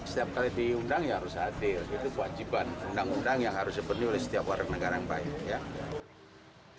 setiap kali diundang ya harus adil itu kewajiban undang undang yang harus dipenuhi oleh setiap warga negara yang baik